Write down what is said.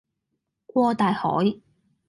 過大海